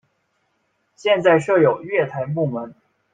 现在设有月台幕门。